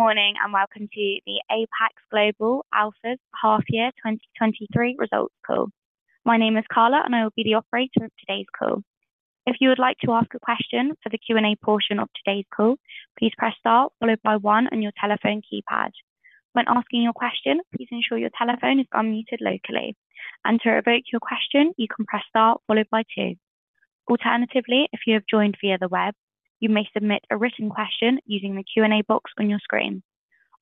Good morning, and welcome to the Apax Global Alpha's Half Year 2023 results call. My name is Carla, and I will be the operator of today's call. If you would like to ask a question for the Q&A portion of today's call, please press star followed by one on your telephone keypad. When asking your question, please ensure your telephone is unmuted locally, and to revoke your question, you can press star followed by two. Alternatively, if you have joined via the web, you may submit a written question using the Q&A box on your screen.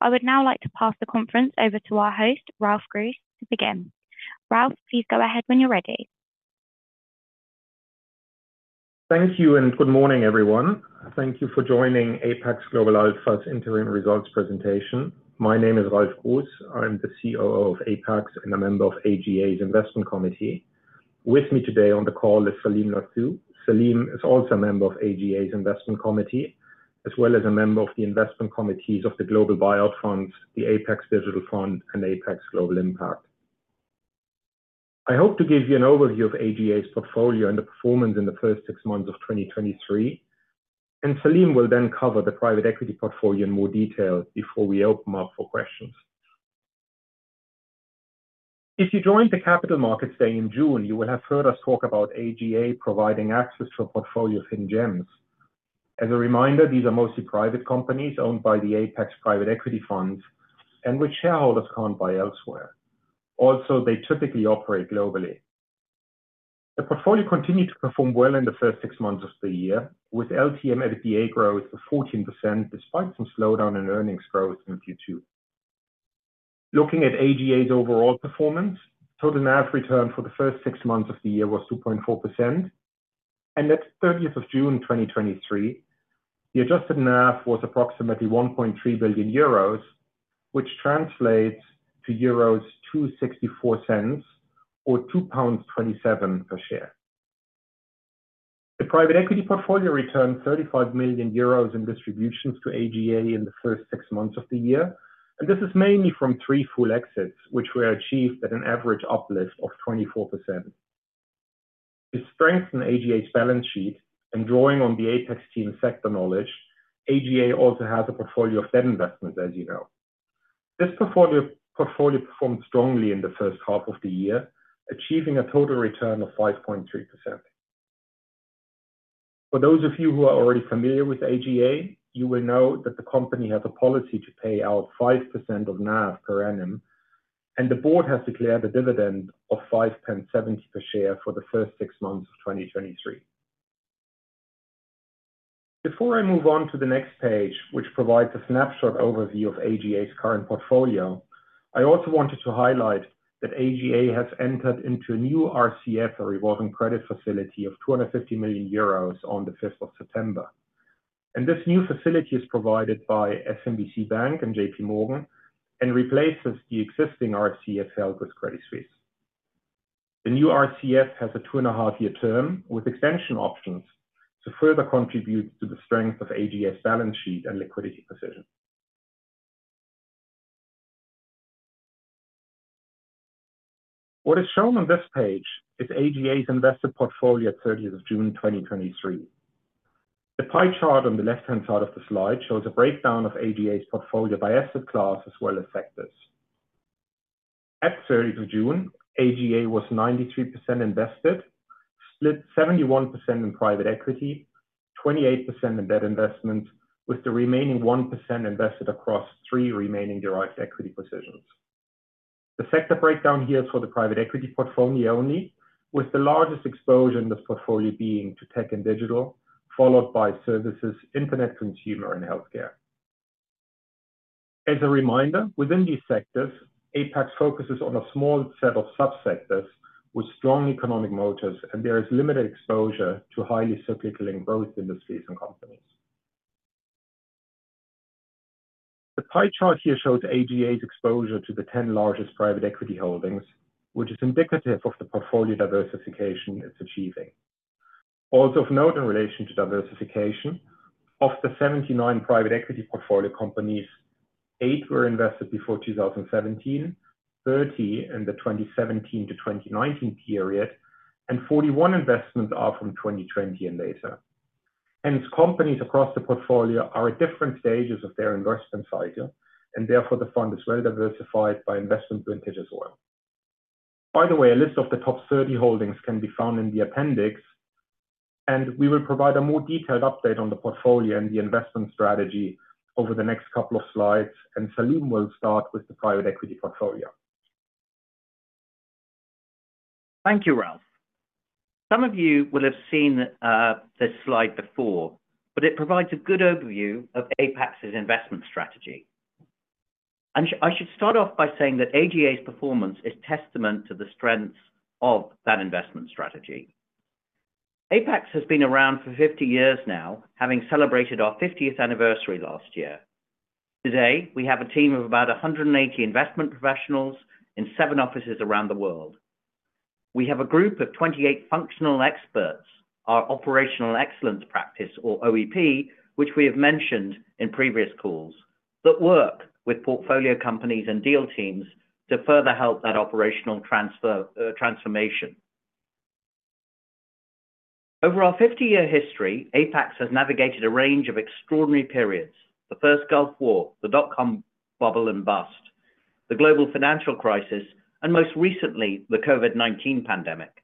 I would now like to pass the conference over to our host, Ralf Gruss, to begin. Ralf, please go ahead when you're ready. Thank you, and good morning, everyone. Thank you for joining Apax Global Alpha's interim results presentation. My name is Ralf Gruss. I'm the CEO of Apax and a member of AGA's Investment Committee. With me today on the call is Salim Nathoo. Salim is also a member of AGA's Investment Committee, as well as a member of the investment committees of the Apax Buyout Fund, the Apax Digital Fund, and Apax Global Impact. I hope to give you an overview of AGA's portfolio and the performance in the first six months of 2023, and Salim will then cover the private equity portfolio in more detail before we open up for questions. If you joined the Capital Markets Day in June, you will have heard us talk about AGA providing access to a portfolio of hidden gems. As a reminder, these are mostly private companies owned by the Apax Private Equity Funds and which shareholders can't buy elsewhere. Also, they typically operate globally. The portfolio continued to perform well in the first six months of the year, with LTM EBITDA growth of 14%, despite some slowdown in earnings growth in Q2. Looking at AGA's overall performance, total NAV return for the first six months of the year was 2.4%, and at 30th of June, 2023, the adjusted NAV was approximately 1.3 billion euros, which translates to euros 2.64 or 2.27 pounds per share. The private equity portfolio returned 35 million euros in distributions to AGA in the first six months of the year, and this is mainly from three full exits, which were achieved at an average uplift of 24%. To strengthen AGA's balance sheet and drawing on the Apax team's sector knowledge, AGA also has a portfolio of debt investments, as you know. This portfolio performed strongly in the first half of the year, achieving a total return of 5.3%. For those of you who are already familiar with AGA, you will know that the company has a policy to pay out 5% of NAV per annum, and the board has declared a dividend of £5.70 per share for the first six months of 2023. Before I move on to the next page, which provides a snapshot overview of AGA's current portfolio, I also wanted to highlight that AGA has entered into a new RCF, a revolving credit facility, of 250 million euros on the fifth of September. This new facility is provided by SMBC Bank and JP Morgan and replaces the existing RCF held with Credit Suisse. The new RCF has a 2.5-year term with extension options to further contribute to the strength of AGA's balance sheet and liquidity position. What is shown on this page is AGA's invested portfolio at 30th of June, 2023. The pie chart on the left-hand side of the slide shows a breakdown of AGA's portfolio by asset class as well as sectors. At 30th of June, AGA was 93% invested, split 71% in private equity, 28% in debt investment, with the remaining 1% invested across 3 remaining derived equity positions. The sector breakdown here is for the private equity portfolio only, with the largest exposure in this portfolio being to tech and digital, followed by services, internet, consumer, and healthcare. As a reminder, within these sectors, Apax focuses on a small set of sub-sectors with strong economic motors, and there is limited exposure to highly cyclical in both industries and companies. The pie chart here shows AGA's exposure to the 10 largest private equity holdings, which is indicative of the portfolio diversification it's achieving. Also of note in relation to diversification, of the 79 private equity portfolio companies, 8 were invested before 2017, 30 in the 2017-2019 period, and 41 investments are from 2020 and later. Hence, companies across the portfolio are at different stages of their investment cycle, and therefore, the fund is well diversified by investment vintage as well. By the way, a list of the top 30 holdings can be found in the appendix, and we will provide a more detailed update on the portfolio and the investment strategy over the next couple of slides, and Salim will start with the private equity portfolio. Thank you, Ralf. Some of you will have seen this slide before, but it provides a good overview of Apax's investment strategy. I should start off by saying that AGA's performance is testament to the strengths of that investment strategy. Apax has been around for 50 years now, having celebrated our fiftieth anniversary last year. Today, we have a team of about 180 investment professionals in 7 offices around the world. We have a group of 28 functional experts, our Operational Excellence Practice or OEP, which we have mentioned in previous calls, that work with portfolio companies and deal teams to further help that operational transfer, transformation. Over our 50-year history, Apax has navigated a range of extraordinary periods: the first Gulf War, the dot-com bubble and bust, the global financial crisis, and most recently, the COVID-19 pandemic.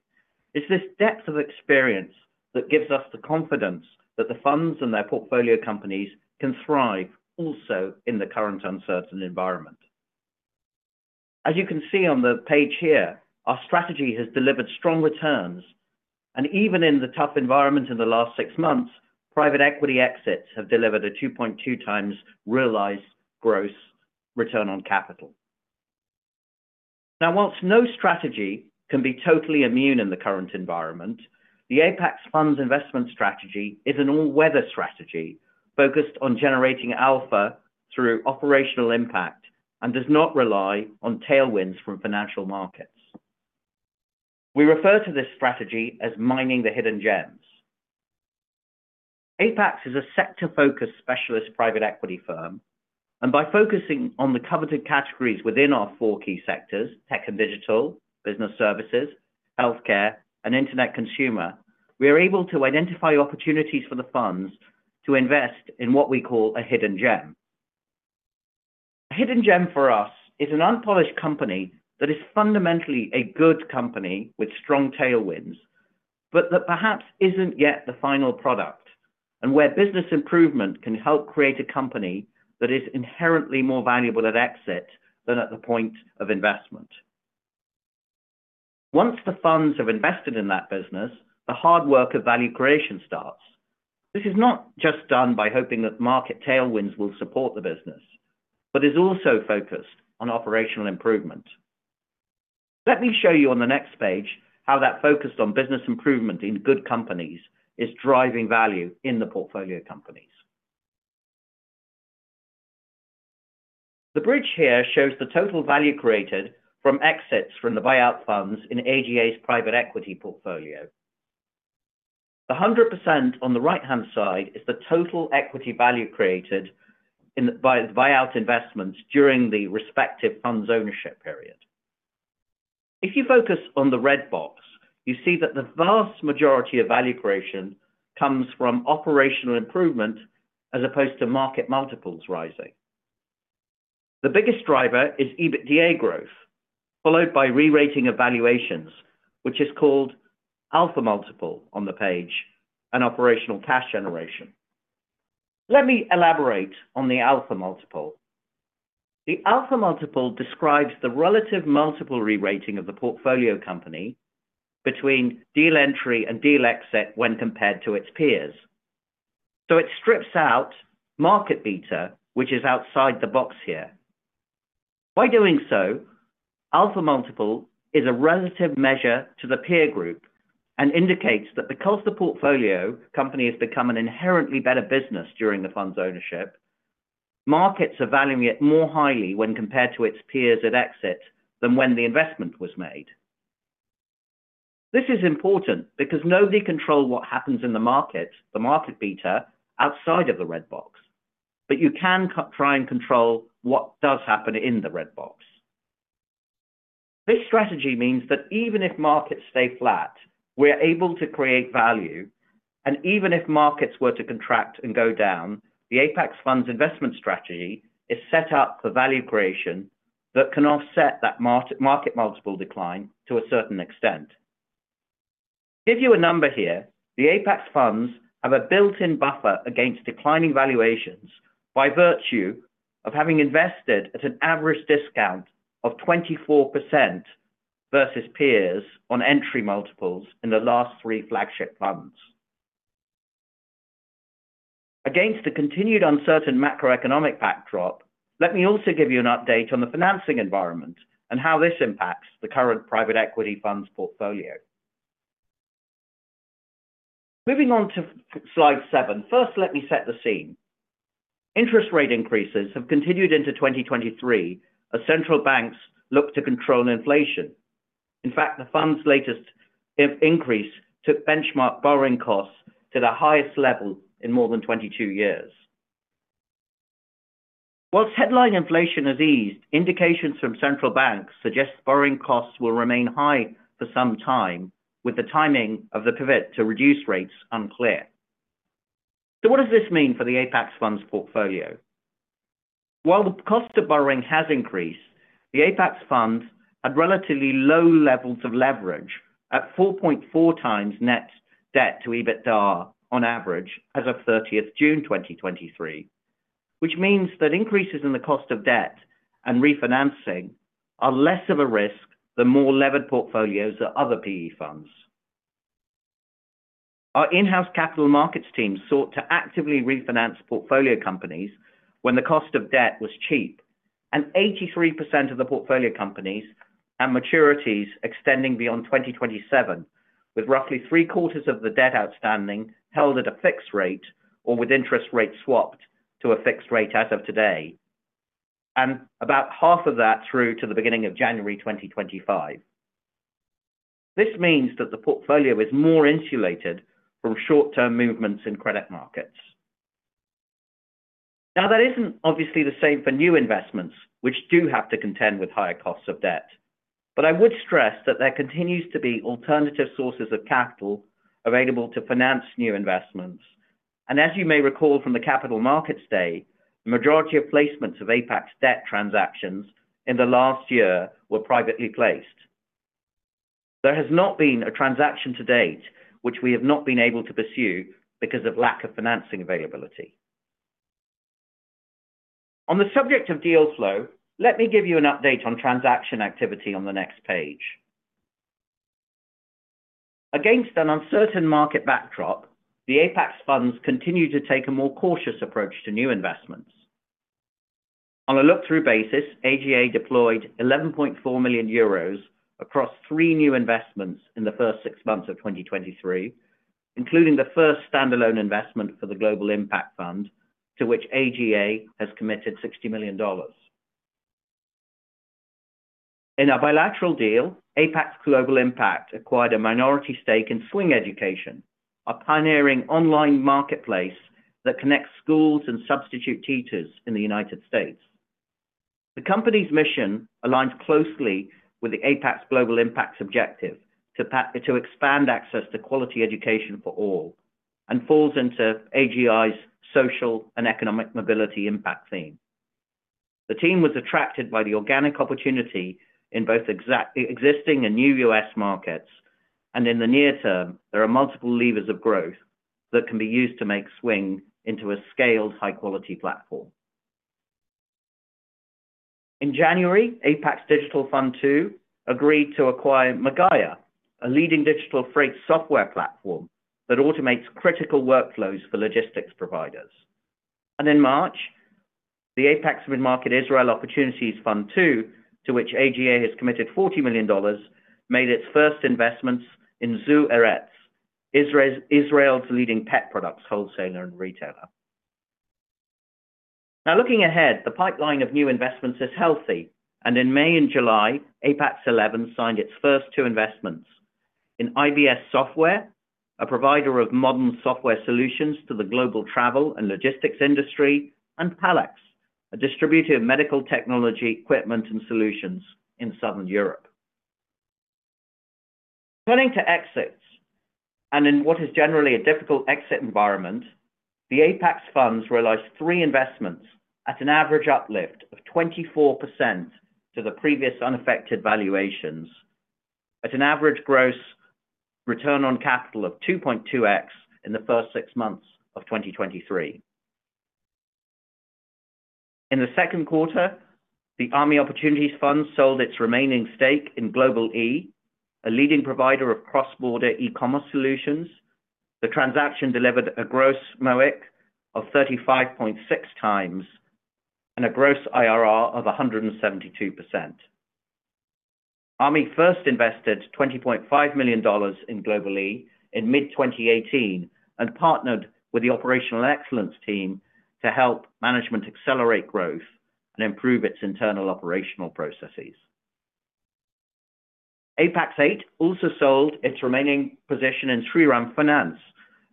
It's this depth of experience that gives us the confidence that the funds and their portfolio companies can thrive also in the current uncertain environment. As you can see on the page here, our strategy has delivered strong returns, and even in the tough environment in the last six months, private equity exits have delivered a 2.2x realized gross return on capital. Now, while no strategy can be totally immune in the current environment, the Apax Funds investment strategy is an all-weather strategy, focused on generating alpha through operational impact, and does not rely on tailwinds from financial markets. We refer to this strategy as mining the hidden gems. Apax is a sector-focused specialist private equity firm, and by focusing on the coveted categories within our four key sectors, tech and digital, business services, healthcare, and internet consumer, we are able to identify opportunities for the funds to invest in what we call a hidden gem. A hidden gem for us is an unpolished company that is fundamentally a good company with strong tailwinds, but that perhaps isn't yet the final product, and where business improvement can help create a company that is inherently more valuable at exit than at the point of investment. Once the funds have invested in that business, the hard work of value creation starts. This is not just done by hoping that market tailwinds will support the business, but is also focused on operational improvement. Let me show you on the next page how that focus on business improvement in good companies is driving value in the portfolio companies. The bridge here shows the total value created from exits from the buyout funds in AGA's private equity portfolio. The 100% on the right-hand side is the total equity value created by the buyout investments during the respective funds' ownership period. If you focus on the red box, you see that the vast majority of value creation comes from operational improvement as opposed to market multiples rising. The biggest driver is EBITDA growth, followed by re-rating of valuations, which is called Alpha Multiple on the page, and operational cash generation. Let me elaborate on the Alpha Multiple. The Alpha Multiple describes the relative multiple re-rating of the portfolio company between deal entry and deal exit when compared to its peers. So it strips out market beta, which is outside the box here. By doing so, Alpha Multiple is a relative measure to the peer group and indicates that because the portfolio company has become an inherently better business during the fund's ownership, markets are valuing it more highly when compared to its peers at exit than when the investment was made. This is important because nobody controls what happens in the market, the market beta, outside of the red box, but you can try and control what does happen in the red box. This strategy means that even if markets stay flat, we're able to create value, and even if markets were to contract and go down, the Apax Funds investment strategy is set up for value creation that can offset that market, market multiple decline to a certain extent. Give you a number here, the Apax Funds have a built-in buffer against declining valuations by virtue of having invested at an average discount of 24% versus peers on entry multiples in the last three flagship funds. Against a continued uncertain macroeconomic backdrop, let me also give you an update on the financing environment and how this impacts the current private equity funds portfolio. Moving on to slide 7, first, let me set the scene. Interest rate increases have continued into 2023 as central banks look to control inflation. In fact, the Fed's latest increase took benchmark borrowing costs to the highest level in more than 22 years. While headline inflation has eased, indications from central banks suggest borrowing costs will remain high for some time, with the timing of the pivot to reduce rates unclear. So what does this mean for the Apax Funds portfolio? While the cost of borrowing has increased, the Apax Funds had relatively low levels of leverage at 4.4 times net debt to EBITDA on average as of 30th June 2023, which means that increases in the cost of debt and refinancing are less of a risk than more levered portfolios or other PE funds. Our in-house capital markets team sought to actively refinance portfolio companies when the cost of debt was cheap, and 83% of the portfolio companies have maturities extending beyond 2027, with roughly three-quarters of the debt outstanding held at a fixed rate or with interest rates swapped to a fixed rate as of today, and about half of that through to the beginning of January 2025. This means that the portfolio is more insulated from short-term movements in credit markets. Now, that isn't obviously the same for new investments, which do have to contend with higher costs of debt. But I would stress that there continues to be alternative sources of capital available to finance new investments. As you may recall from the Capital Markets Day, the majority of placements of Apax debt transactions in the last year were privately placed. There has not been a transaction to date, which we have not been able to pursue because of lack of financing availability. On the subject of deal flow, let me give you an update on transaction activity on the next page. Against an uncertain market backdrop, the Apax funds continue to take a more cautious approach to new investments. On a look-through basis, AGA deployed 11.4 million euros across three new investments in the first six months of 2023, including the first standalone investment for the Global Impact Fund, to which AGA has committed $60 million. In a bilateral deal, Apax Global Impact acquired a minority stake in Swing Education, a pioneering online marketplace that connects schools and substitute teachers in the United States. The company's mission aligns closely with the Apax Global Impact's objective, to expand access to quality education for all, and falls into AGI's social and economic mobility impact theme. The team was attracted by the organic opportunity in both existing and new U.S. markets, and in the near term, there are multiple levers of growth that can be used to make Swing into a scaled, high-quality platform. In January, Apax Digital Fund II agreed to acquire Magaya, a leading digital freight software platform that automates critical workflows for logistics providers. In March, the Apax Mid-Market Israel Opportunities Fund II, to which AGA has committed $40 million, made its first investments in Zoo Eretz, Israel's leading pet products wholesaler and retailer. Now, looking ahead, the pipeline of new investments is healthy, and in May and July, Apax XI signed its first two investments. In IBS Software, a provider of modern software solutions to the global travel and logistics industry, and Palex, a distributor of medical technology, equipment, and solutions in Southern Europe. Turning to exits, in what is generally a difficult exit environment, the Apax Funds realized three investments at an average uplift of 24% to the previous unaffected valuations, at an average gross return on capital of 2.2x in the first six months of 2023. In the second quarter, the AMI Opportunities Fund sold its remaining stake in Global-e, a leading provider of cross-border e-commerce solutions. The transaction delivered a gross MOIC of 35.6x and a gross IRR of 172%. AMI first invested $20.5 million in Global-e in mid-2018 and partnered with the operational excellence team to help management accelerate growth and improve its internal operational processes. Apax VIII also sold its remaining position in Shriram Finance,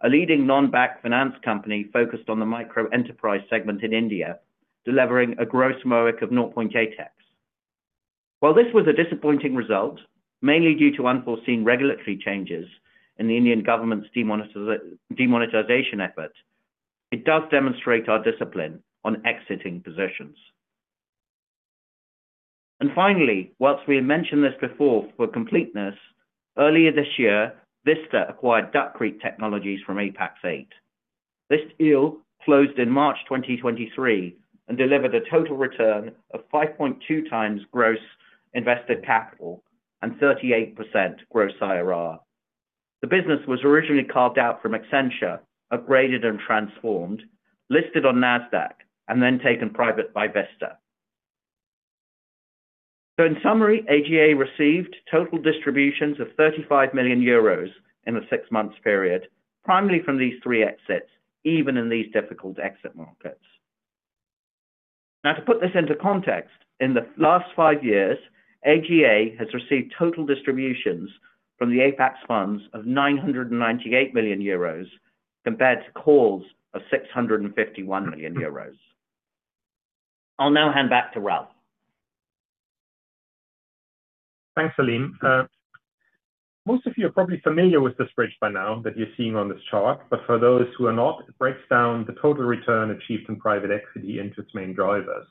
a leading non-bank finance company focused on the micro-enterprise segment in India, delivering a gross MOIC of 0.8x. While this was a disappointing result, mainly due to unforeseen regulatory changes in the Indian government's demonetization effort, it does demonstrate our discipline on exiting positions. Finally, while we have mentioned this before for completeness, earlier this year, Vista acquired Duck Creek Technologies from Apax VIII. This deal closed in March 2023 and delivered a total return of 5.2x gross invested capital and 38% gross IRR. The business was originally carved out from Accenture, upgraded and transformed, listed on Nasdaq, and then taken private by Vista. So in summary, AGA received total distributions of 35 million euros in a six-month period, primarily from these three exits, even in these difficult exit markets. Now, to put this into context, in the last five years, AGA has received total distributions from the Apax funds of 998 million euros, compared to calls of 651 million euros. I'll now hand back to Ralf. Thanks, Salim. Most of you are probably familiar with this bridge by now that you're seeing on this chart, but for those who are not, it breaks down the total return achieved in private equity into its main drivers.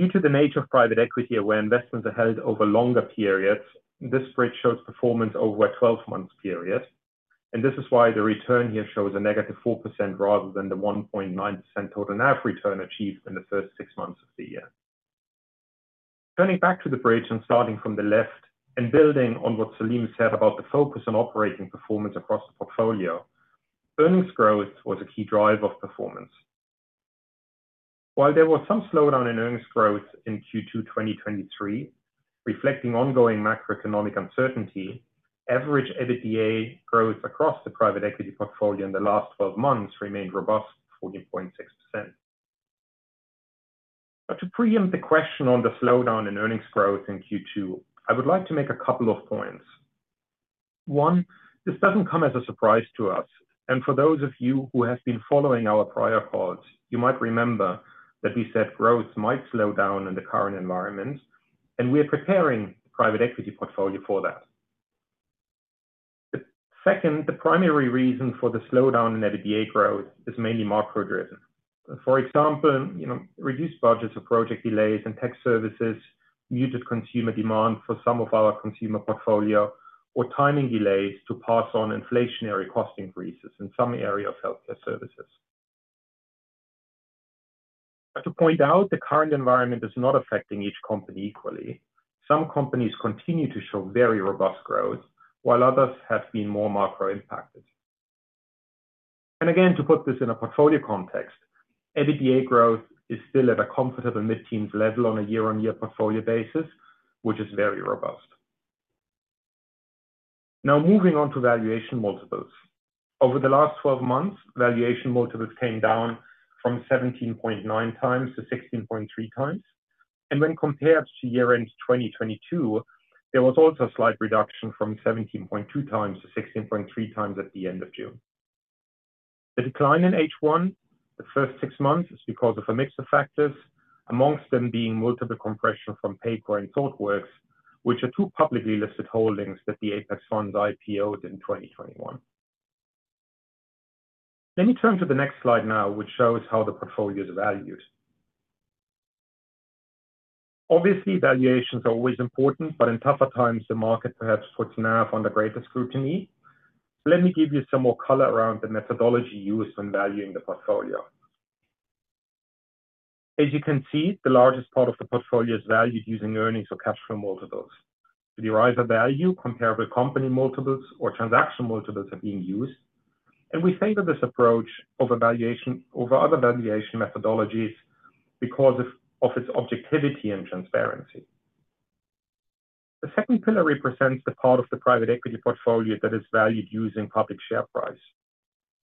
Due to the nature of private equity, where investments are held over longer periods, this bridge shows performance over a 12-month period, and this is why the return here shows a -4% rather than the 1.9% total NAV return achieved in the first six months of the year. Turning back to the bridge and starting from the left and building on what Salim said about the focus on operating performance across the portfolio, earnings growth was a key driver of performance. While there was some slowdown in earnings growth in Q2 2023, reflecting ongoing macroeconomic uncertainty, average EBITDA growth across the private equity portfolio in the last 12 months remained robust, 14.6%.... But to preempt the question on the slowdown in earnings growth in Q2, I would like to make a couple of points. One, this doesn't come as a surprise to us, and for those of you who have been following our prior calls, you might remember that we said growth might slow down in the current environment, and we are preparing the private equity portfolio for that. The second, the primary reason for the slowdown in EBITDA growth is mainly macro-driven. For example, you know, reduced budgets or project delays in tech services, muted consumer demand for some of our consumer portfolio, or timing delays to pass on inflationary cost increases in some areas of healthcare services. I have to point out, the current environment is not affecting each company equally. Some companies continue to show very robust growth, while others have been more macro impacted. And again, to put this in a portfolio context, EBITDA growth is still at a comfortable mid-teens level on a year-on-year portfolio basis, which is very robust. Now, moving on to valuation multiples. Over the last 12 months, valuation multiples came down from 17.9x to 16.3x. And when compared to year-end 2022, there was also a slight reduction from 17.2x to 16.3x at the end of June. The decline in H1, the first six months, is because of a mix of factors, among them being multiple compression from Paycor and Thoughtworks, which are two publicly listed holdings that the Apax Funds IPO'd in 2021. Let me turn to the next slide now, which shows how the portfolio is valued. Obviously, valuations are always important, but in tougher times, the market perhaps puts NAV on the greatest scrutiny. Let me give you some more color around the methodology used when valuing the portfolio. As you can see, the largest part of the portfolio is valued using earnings or cash flow multiples. To derive a value, comparable company multiples or transaction multiples are being used, and we favor this approach over other valuation methodologies because of its objectivity and transparency. The second pillar represents the part of the private equity portfolio that is valued using public share price.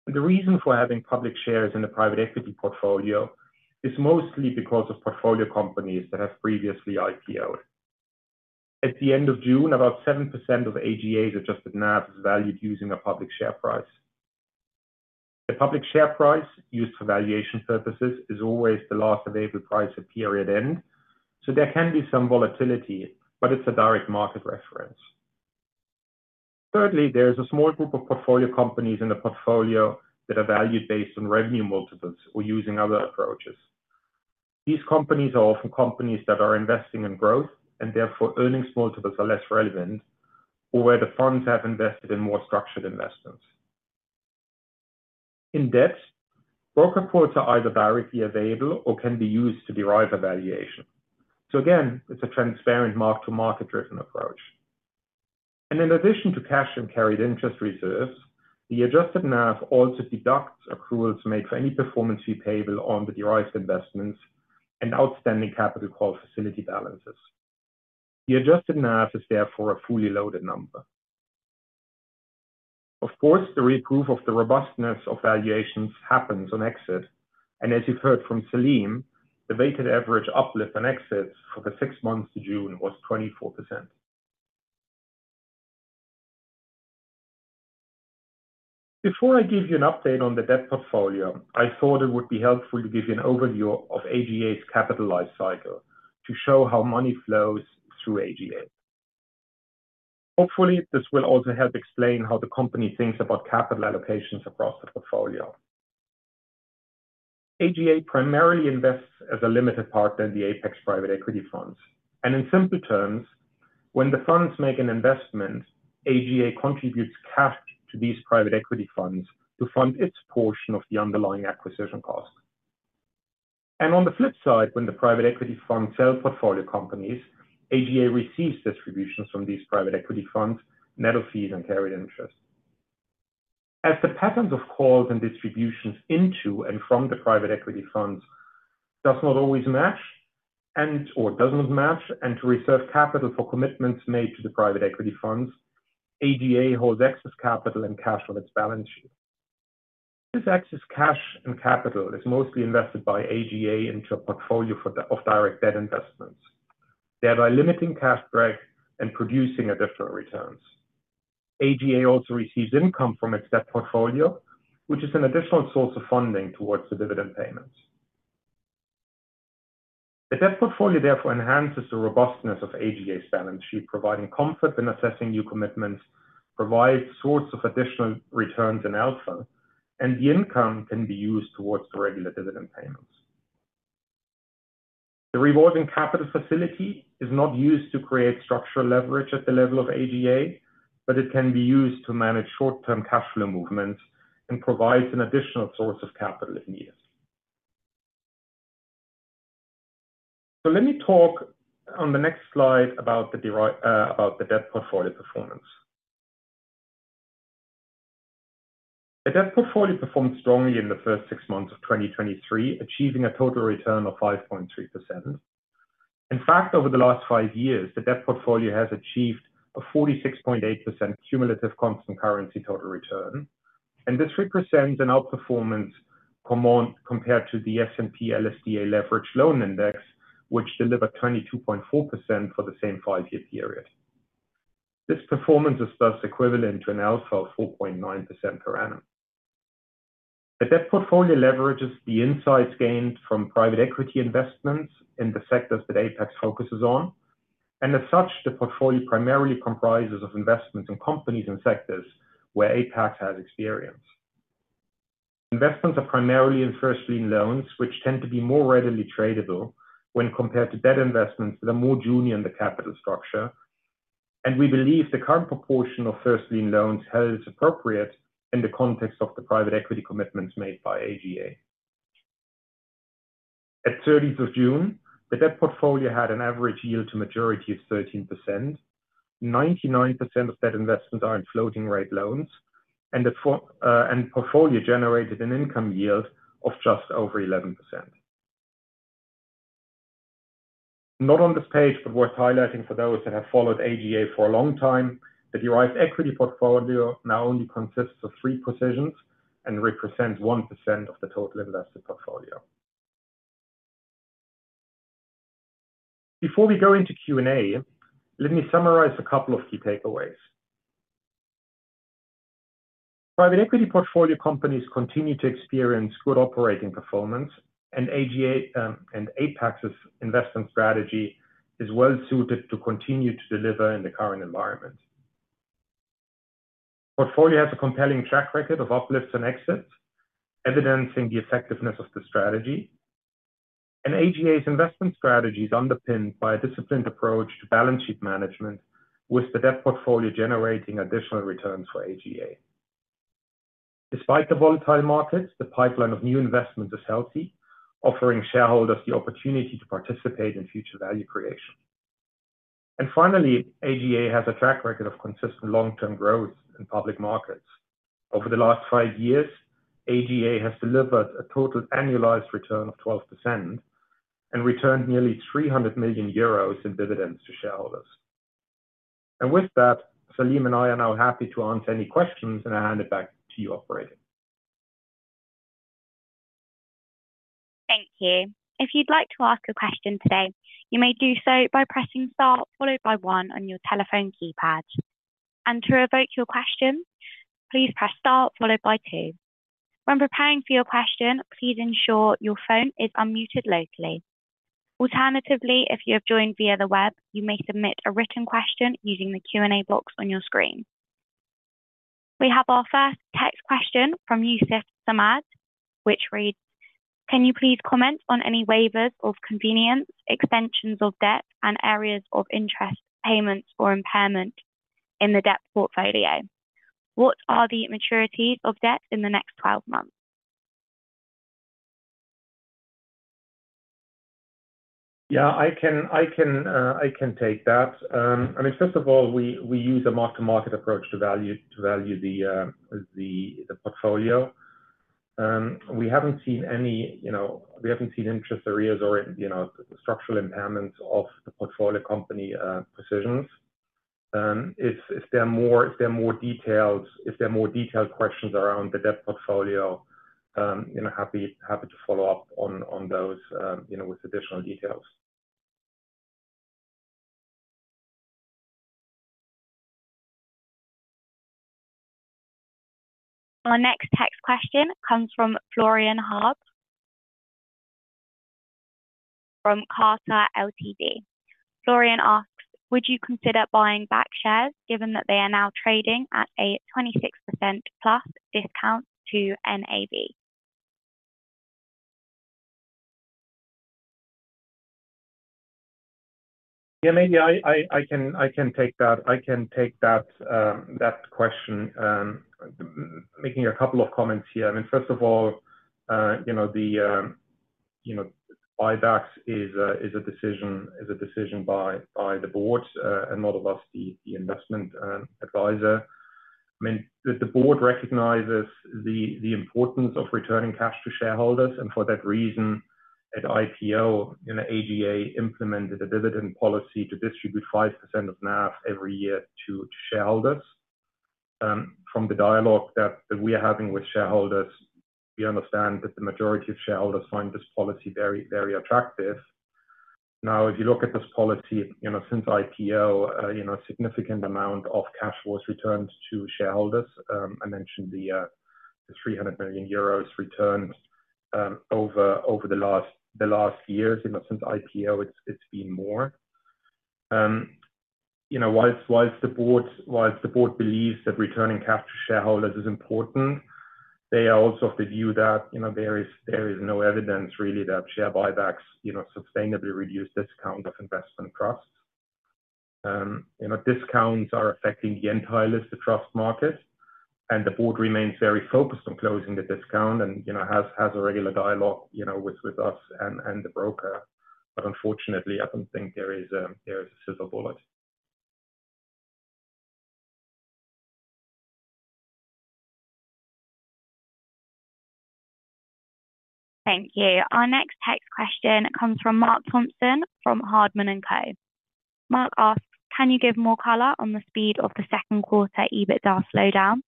The reason for having public shares in the private equity portfolio is mostly because of portfolio companies that have previously IPO'd. At the end of June, about 7% of AGA's adjusted NAV is valued using a public share price. The public share price used for valuation purposes is always the last available price at period end, so there can be some volatility, but it's a direct market reference. Thirdly, there is a small group of portfolio companies in the portfolio that are valued based on revenue multiples or using other approaches. These companies are often companies that are investing in growth, and therefore earnings multiples are less relevant, or where the funds have invested in more structured investments. In debt, broker quotes are either directly available or can be used to derive a valuation. So again, it's a transparent mark-to-market-driven approach. And in addition to cash and carried interest reserves, the adjusted NAV also deducts accrual to make for any performance payable on the derived investments and outstanding capital call facility balances. The adjusted NAV is therefore a fully loaded number. Of course, the proof of the robustness of valuations happens on exit, and as you've heard from Salim, the weighted average uplift on exits for the six months to June was 24%. Before I give you an update on the debt portfolio, I thought it would be helpful to give you an overview of AGA's capital life cycle to show how money flows through AGA. Hopefully, this will also help explain how the company thinks about capital allocations across the portfolio. AGA primarily invests as a limited partner in the Apax private equity funds, and in simple terms, when the funds make an investment, AGA contributes cash to these private equity funds to fund its portion of the underlying acquisition cost. On the flip side, when the private equity fund sells portfolio companies, AGA receives distributions from these private equity funds, net of fees and carried interest. As the patterns of calls and distributions into and from the private equity funds does not always match and to reserve capital for commitments made to the private equity funds, AGA holds excess capital and cash on its balance sheet. This excess cash and capital is mostly invested by AGA into a portfolio of direct debt investments, thereby limiting cash drag and producing additional returns. AGA also receives income from its debt portfolio, which is an additional source of funding towards the dividend payments. The debt portfolio therefore enhances the robustness of AGA's balance sheet, providing comfort in assessing new commitments, provides source of additional returns and alpha, and the income can be used towards the regular dividend payments. The revolving capital facility is not used to create structural leverage at the level of AGA, but it can be used to manage short-term cash flow movements and provides an additional source of capital in years. So let me talk on the next slide about the debt portfolio performance. The debt portfolio performed strongly in the first six months of 2023, achieving a total return of 5.3%.... In fact, over the last five years, the debt portfolio has achieved a 46.8% cumulative constant currency total return, and this represents an outperformance amount compared to the S&P LSTA Leveraged Loan Index, which delivered 22.4% for the same five-year period. This performance is thus equivalent to an alpha of 4.9% per annum. The debt portfolio leverages the insights gained from private equity investments in the sectors that Apax focuses on, and as such, the portfolio primarily comprises of investments in companies and sectors where Apax has experience. Investments are primarily in first lien loans, which tend to be more readily tradable when compared to debt investments that are more junior in the capital structure. We believe the current proportion of first lien loans held is appropriate in the context of the private equity commitments made by AGA. At the thirtieth of June, the debt portfolio had an average yield to maturity of 13%. 99% of debt investments are in floating rate loans, and the portfolio generated an income yield of just over 11%. Not on this page, but worth highlighting for those that have followed AGA for a long time, the derived equity portfolio now only consists of 3 positions and represents 1% of the total invested portfolio. Before we go into Q&A, let me summarize a couple of key takeaways. Private equity portfolio companies continue to experience good operating performance, and AGA and Apax's investment strategy is well suited to continue to deliver in the current environment. Portfolio has a compelling track record of uplifts and exits, evidencing the effectiveness of the strategy. AGA's investment strategy is underpinned by a disciplined approach to balance sheet management, with the debt portfolio generating additional returns for AGA. Despite the volatile markets, the pipeline of new investments is healthy, offering shareholders the opportunity to participate in future value creation. Finally, AGA has a track record of consistent long-term growth in public markets. Over the last five years, AGA has delivered a total annualized return of 12% and returned nearly 300 million euros in dividends to shareholders. With that, Salim and I are now happy to answer any questions, and I hand it back to you, operator. Thank you. If you'd like to ask a question today, you may do so by pressing star, followed by one on your telephone keypad. To revoke your question, please press star followed by two. When preparing for your question, please ensure your phone is unmuted locally. Alternatively, if you have joined via the web, you may submit a written question using the Q&A box on your screen. We have our first text question from Yusif Samad, which reads: Can you please comment on any waivers of convenience, extensions of debt, and areas of interest, payments, or impairment in the debt portfolio? What are the maturities of debt in the next 12 months? Yeah, I can take that. I mean, first of all, we use a mark-to-market approach to value the portfolio. We haven't seen any, you know, interest arrears or, you know, structural impairments of the portfolio company positions. If there are more detailed questions around the debt portfolio, you know, happy to follow up on those, you know, with additional details. Our next text question comes from Florian Harb, from Carta Ltd. Florian asks: Would you consider buying back shares given that they are now trading at a 26%+ discount to NAV? Yeah, maybe I can take that. I can take that, that question. Making a couple of comments here. I mean, first of all, you know, the, you know, buybacks is a, is a decision, is a decision by, by the board, and not of us, the, the investment, advisor. I mean, the board recognizes the, the importance of returning cash to shareholders, and for that reason, at IPO, you know, AGA implemented a dividend policy to distribute 5% of NAV every year to shareholders. From the dialogue that, that we are having with shareholders, we understand that the majority of shareholders find this policy very, very attractive. Now, if you look at this policy, you know, since IPO, you know, a significant amount of cash was returned to shareholders. I mentioned the 300 million euros returned over the last years. You know, since IPO, it's been more. You know, whilst the board believes that returning cash to shareholders is important, they are also of the view that, you know, there is no evidence, really, that share buybacks, you know, sustainably reduce discount of investment trusts. You know, discounts are affecting the entire listed trust market, and the board remains very focused on closing the discount and, you know, has a regular dialogue, you know, with us and the broker. But unfortunately, I don't think there is a silver bullet. Thank you. Our next text question comes from Mark Thompson from Hardman & Co. Mark asks: Can you give more color on the speed of the second quarter EBITDA slowdown?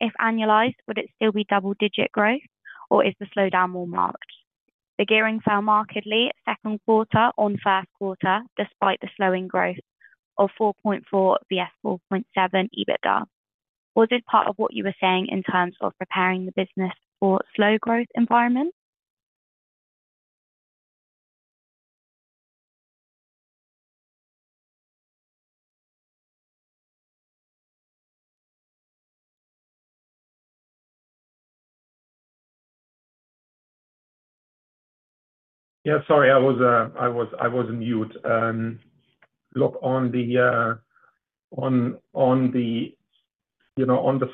If annualized, would it still be double-digit growth, or is the slowdown more marked? The gearing fell markedly second quarter on first quarter, despite the slowing growth of 4.4 vs 4.7 EBITDA. Was this part of what you were saying in terms of preparing the business for slow growth environment? Yeah, sorry, I was on mute. Look, on the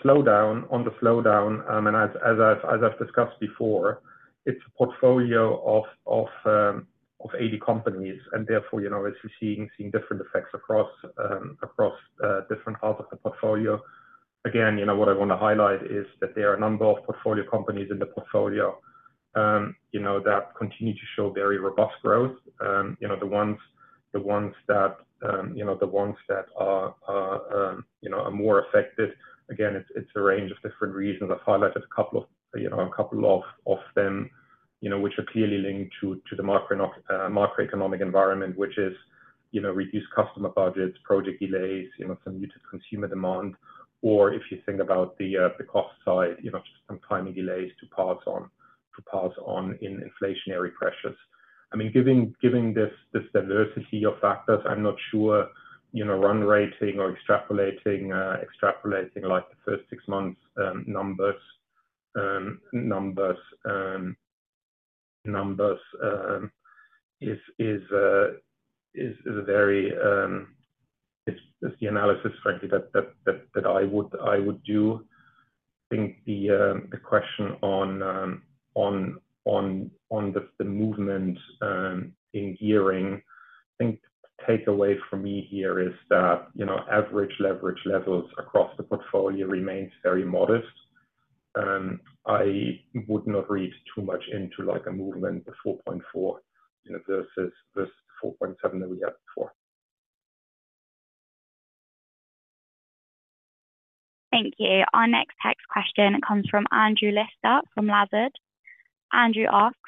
slowdown, and as I've discussed before, it's a portfolio of 80 companies, and therefore, you know, it's seeing different effects across different parts of the portfolio. Again, you know, what I want to highlight is that there are a number of portfolio companies in the portfolio, you know, that continue to show very robust growth. You know, the ones that are more affected. Again, it's a range of different reasons. I've highlighted a couple of, you know, a couple of them, you know, which are clearly linked to the macroeconomic environment, which is, you know, reduced customer budgets, project delays, you know, some muted consumer demand. Or if you think about the cost side, you know, just some timing delays to pass on in inflationary pressures. I mean, giving this diversity of factors, I'm not sure, you know, run rating or extrapolating, like, the first six months numbers is a very... It's the analysis, frankly, that I would do. I think the question on the movement in gearing, I think the takeaway for me here is that, you know, average leverage levels across the portfolio remains very modest. I would not read too much into, like, a movement of 4.4, you know, versus this 4.7 that we had before. Thank you. Our next text question comes from Andrew Lister from abrdn. Andrew asks: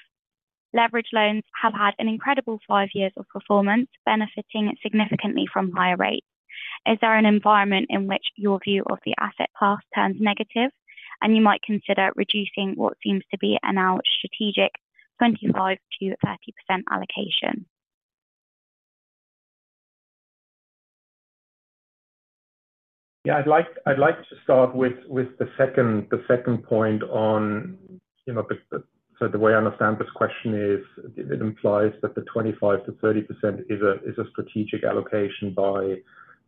Leveraged loans have had an incredible five years of performance, benefiting significantly from higher rates. Is there an environment in which your view of the asset class turns negative, and you might consider reducing what seems to be a now strategic 25%-30% allocation? Yeah, I'd like, I'd like to start with, with the second, the second point on, you know, the... So the way I understand this question is, it implies that the 25%-30% is a, is a strategic allocation by,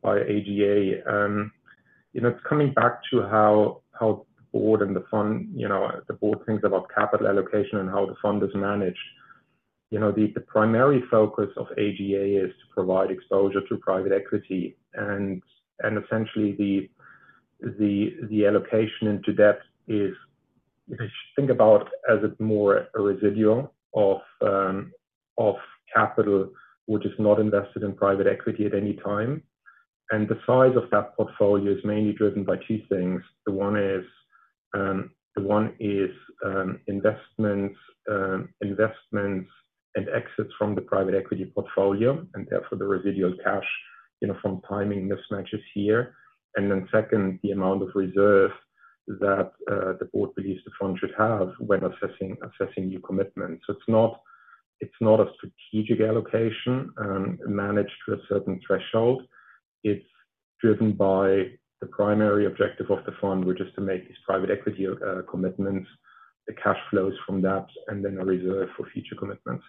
by AGA. You know, it's coming back to how, how the board and the fund, you know, the board thinks about capital allocation and how the fund is managed. You know, the, the primary focus of AGA is to provide exposure to private equity, and, and essentially the, the, the allocation into debt is, you know, think about as a more a residual of, of capital, which is not invested in private equity at any time. And the size of that portfolio is mainly driven by two things. The one is investments and exits from the private equity portfolio, and therefore, the residual cash, you know, from timing mismatches here. And then second, the amount of reserve that the board believes the fund should have when assessing new commitments. So it's not a strategic allocation managed to a certain threshold. It's driven by the primary objective of the fund, which is to make these private equity commitments, the cash flows from that, and then a reserve for future commitments.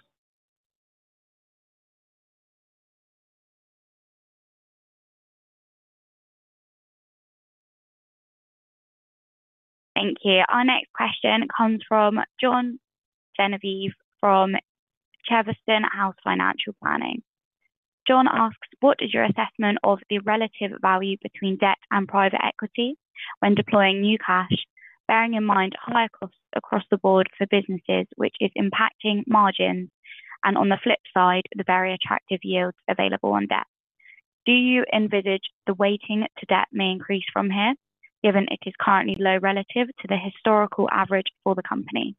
Thank you. Our next question comes from John Genevieve from Cheverton House Financial Planning. John asks: What is your assessment of the relative value between debt and private equity when deploying new cash, bearing in mind higher costs across the board for businesses, which is impacting margins, and on the flip side, the very attractive yields available on debt? Do you envisage the weighting to debt may increase from here, given it is currently low relative to the historical average for the company?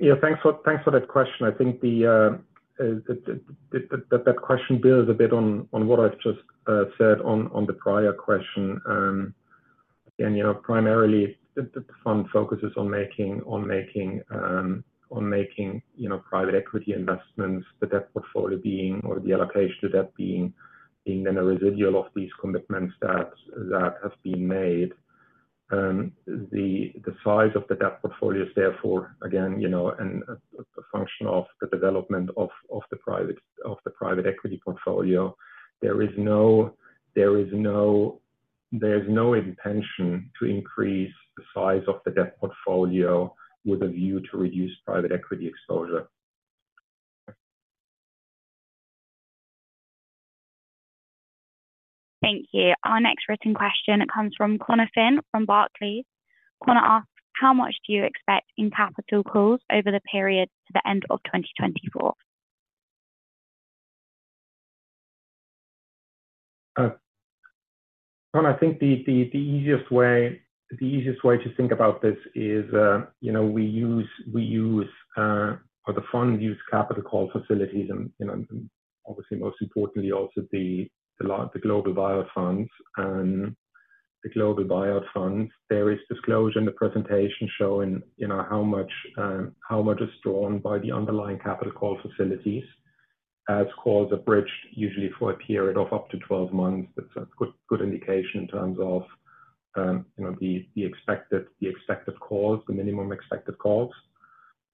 Yeah, thanks for that question. I think that question builds a bit on what I've just said on the prior question. And, you know, primarily the fund focuses on making private equity investments, the debt portfolio being, or the allocation to debt being, a residual of these commitments that have been made. The size of the debt portfolio is therefore, again, you know, a function of the development of the private equity portfolio. There is no intention to increase the size of the debt portfolio with a view to reduce private equity exposure. Thank you. Our next written question comes from Conor Finn from Barclays. Connor asks: How much do you expect in capital calls over the period to the end of 2024? And I think the easiest way to think about this is, you know, we use or the fund use capital call facilities. And, you know, and obviously, most importantly, also the global buyout funds and the global buyout funds. There is disclosure in the presentation showing, you know, how much is drawn by the underlying capital call facilities as calls are bridged, usually for a period of up to 12 months. That's a good indication in terms of, you know, the expected calls, the minimum expected calls.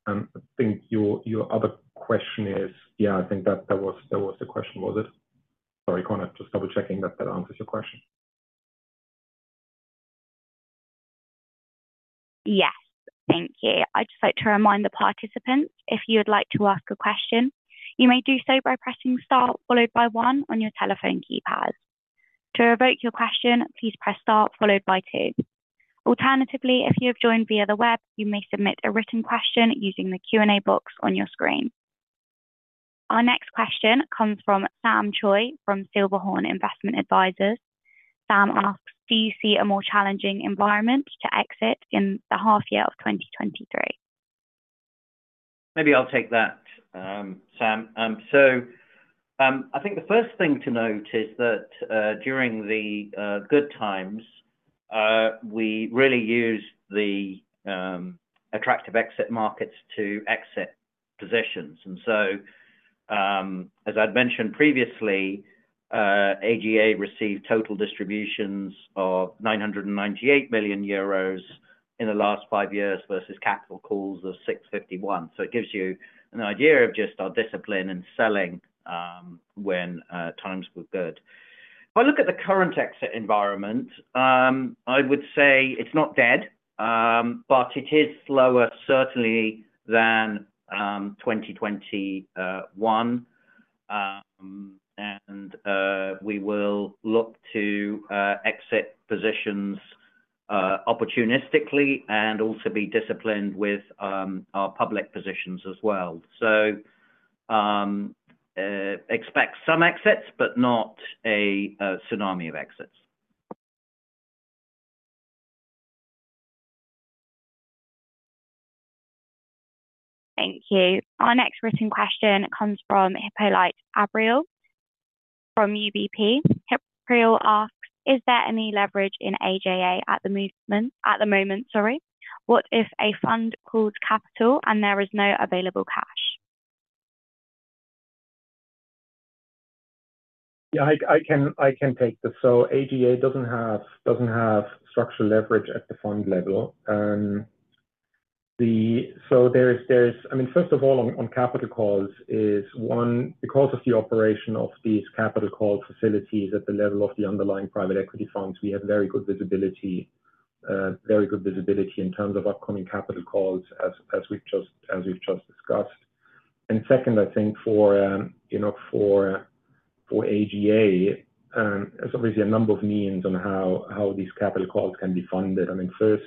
I think your other question is— Yeah, I think that was the question, was it? Sorry, Connor. Just double-checking that that answers your question. Yes. Thank you. I'd just like to remind the participants, if you would like to ask a question, you may do so by pressing star followed by one on your telephone keypad. To revoke your question, please press star followed by two. Alternatively, if you have joined via the web, you may submit a written question using the Q&A box on your screen. Our next question comes from Sam Choi from Hudson Investment Advisors. Sam asks: Do you see a more challenging environment to exit in the half year of 2023? Maybe I'll take that, Sam. So, I think the first thing to note is that, during the good times, we really used the attractive exit markets to exit positions. And so, as I'd mentioned previously, AGA received total distributions of 998 million euros in the last five years versus capital calls of 651 million. So it gives you an idea of just our discipline in selling, when times were good. If I look at the current exit environment, I would say it's not dead, but it is slower certainly than 2021. And, we will look to exit positions opportunistically and also be disciplined with our public positions as well. So, expect some exits, but not a tsunami of exits. Thank you. Our next written question comes from Hippolyte Abrial from UBP. Hippolyte Abrial asks: Is there any leverage in AGA at the moment, sorry? What if a fund calls capital and there is no available cash? Yeah, I can take this. So AGA doesn't have structural leverage at the fund level. So there is. I mean, first of all, on capital calls, one, because of the operation of these capital call facilities at the level of the underlying private equity funds, we have very good visibility in terms of upcoming capital calls, as we've just discussed. And second, I think for you know, for AGA, there's obviously a number of means on how these capital calls can be funded. I mean, first,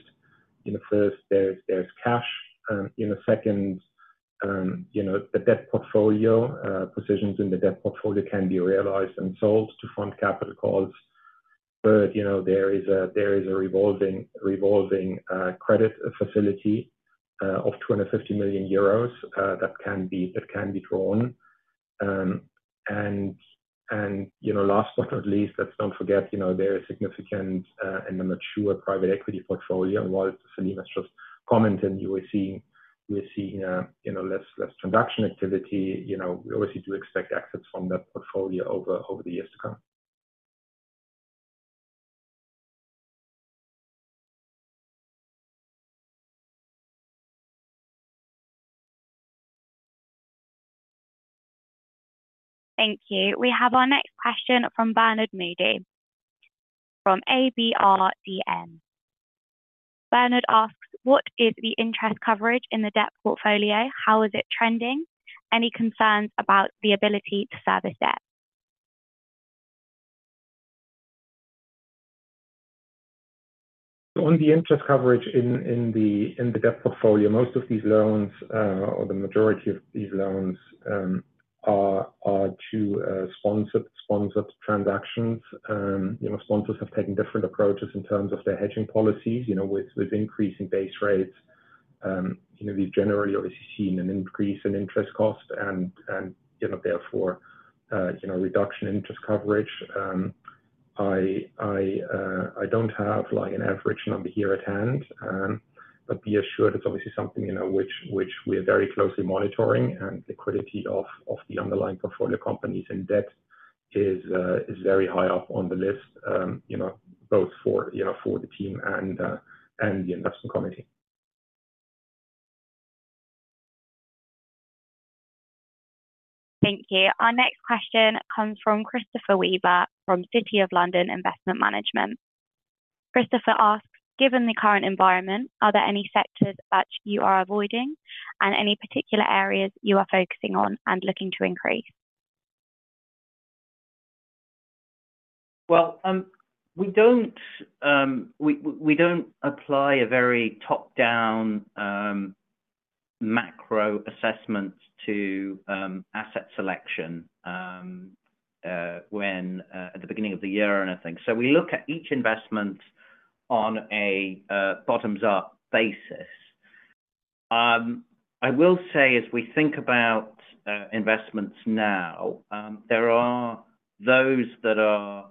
you know, there's cash. You know, second, the debt portfolio positions in the debt portfolio can be realized and sold to fund capital calls. Third, you know, there is a revolving credit facility of 250 million euros that can be drawn. And, you know, last but not least, let's don't forget, you know, there is significant and a mature private equity portfolio. And while Salim has just commented, we are seeing, you know, less transaction activity, you know, we obviously do expect exits from that portfolio over the years to come. Thank you. We have our next question from Bernard Moody, from abrdn. Bernard asks: What is the interest coverage in the debt portfolio? How is it trending? Any concerns about the ability to service debt? On the interest coverage in the debt portfolio, most of these loans or the majority of these loans are to sponsored transactions. You know, sponsors have taken different approaches in terms of their hedging policies. You know, with increasing base rates, you know, we've generally obviously seen an increase in interest cost and you know, therefore, reduction in interest coverage. I don't have, like, an average number here at hand, but be assured it's obviously something you know, which we are very closely monitoring. And liquidity of the underlying portfolio companies in debt is very high up on the list, you know, both for the team and the investment committee. Thank you. Our next question comes from Christopher Weber, from City of London Investment Management... Christopher asks, "Given the current environment, are there any sectors that you are avoiding, and any particular areas you are focusing on and looking to increase? Well, we don't apply a very top-down macro assessment to asset selection when at the beginning of the year or anything. So we look at each investment on a bottoms-up basis. I will say, as we think about investments now, there are those that are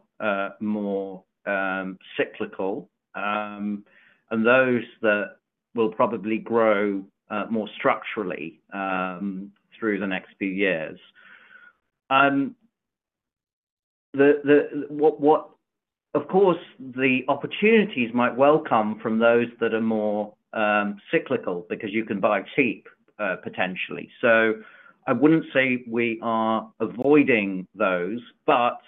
more cyclical and those that will probably grow more structurally through the next few years. Of course, the opportunities might well come from those that are more cyclical because you can buy cheap potentially. So I wouldn't say we are avoiding those, but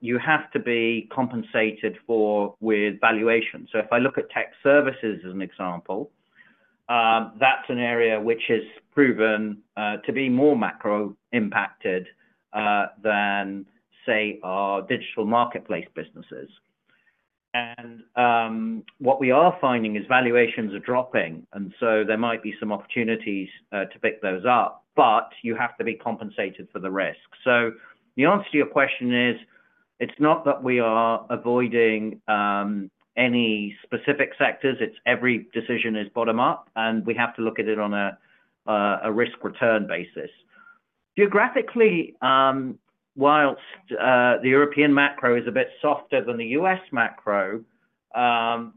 you have to be compensated for with valuation. So if I look at tech services as an example, that's an area which has proven to be more macro impacted than, say, our digital marketplace businesses. And what we are finding is valuations are dropping, and so there might be some opportunities to pick those up, but you have to be compensated for the risk. So the answer to your question is, it's not that we are avoiding any specific sectors, it's every decision is bottom up, and we have to look at it on a risk-return basis. Geographically, while the European macro is a bit softer than the US macro,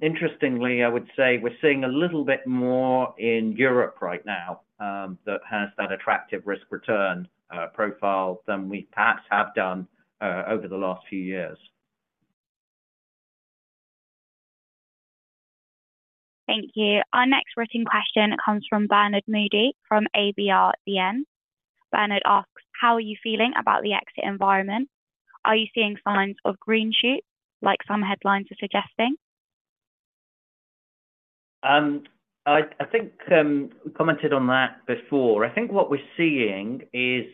interestingly, I would say we're seeing a little bit more in Europe right now that has that attractive risk-return profile than we perhaps have done over the last few years. Thank you. Our next written question comes from Bernard Moody, from abrdn. Bernard asks, "How are you feeling about the exit environment? Are you seeing signs of green shoots, like some headlines are suggesting? I think we commented on that before. I think what we're seeing is,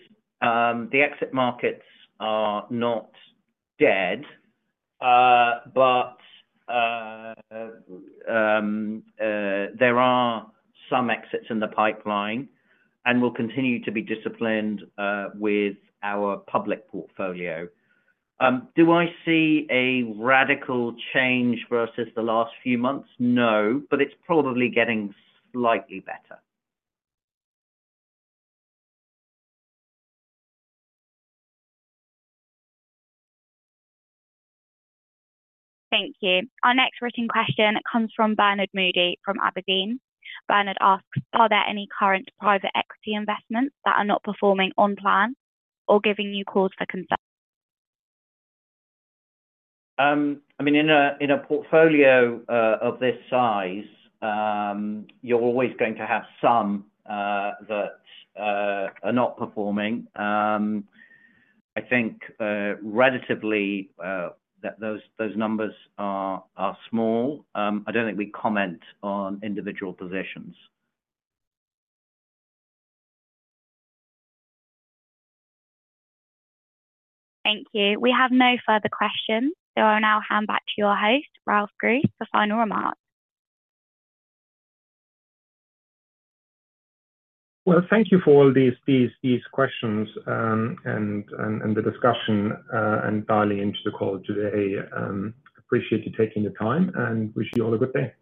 the exit markets are not dead, but there are some exits in the pipeline and will continue to be disciplined with our public portfolio. Do I see a radical change versus the last few months? No, but it's probably getting slightly better. Thank you. Our next written question comes from Bernard Moody, from abrdn. Bernard asks, "Are there any current private equity investments that are not performing on plan or giving you cause for concern? I mean, in a portfolio of this size, you're always going to have some that are not performing. I think, relatively, those numbers are small. I don't think we comment on individual positions. Thank you. We have no further questions, so I'll now hand back to your host, Ralf Gruss, for final remarks. Well, thank you for all these questions, and the discussion, and dialing into the call today. Appreciate you taking the time, and wish you all a good day.